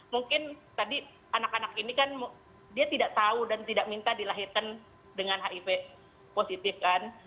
mungkin tadi anak anak ini kan dia tidak tahu dan tidak minta dilahirkan dengan hiv positif kan